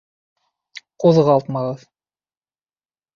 Ҡуҙғалтмағыҙ